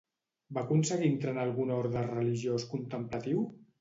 Va aconseguir entrar en algun orde religiós contemplatiu?